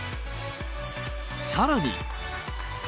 さらに。